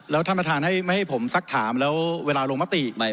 แล้วท่านประธานให้ผมสักถามแล้วเวลาลงมติใหม่